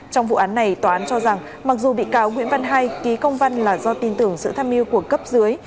trong vụ án này tòa án cho rằng mặc dù bị cáo nguyễn văn hai ký công văn là do tin tưởng sự tham mưu của cấp dưới